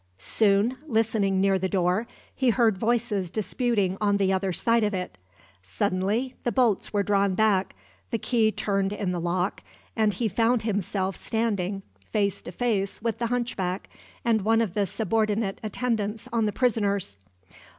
Soon, listening near the door, he heard voices disputing on the other side of it. Suddenly, the bolts were drawn back, the key turned in the lock, and he found himself standing face to face with the hunchback and one of the subordinate attendants on the prisoners.